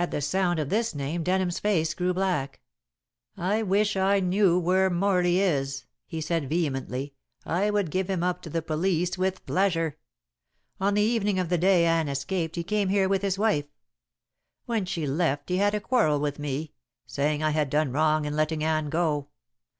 At the sound of this name Denham's face grew black. "I wish I knew where Morley is," he said vehemently. "I would give him up to the police with pleasure. On the evening of the day Anne escaped he came here with his wife. When she left he had a quarrel with me, saying I had done wrong in letting Anne go.